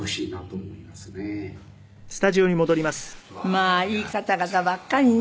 まあいい方々ばっかりね。